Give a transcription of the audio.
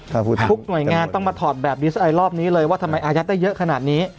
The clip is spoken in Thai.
ทุกหน่วยงานต้องมาถอดแบบดีเอสไอรอบนี้เลยว่าทำไมอายัดได้เยอะขนาดนี้